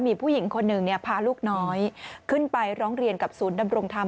มีผู้หญิงคนหนึ่งพาลูกน้อยขึ้นไปร้องเรียนกับศูนย์ดำรงธรรม